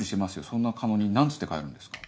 そんな狩野に何つって帰るんですか？